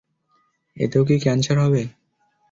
এতেও কি ক্যান্সার হবে?